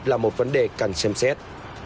là một vấn đề cần xem xét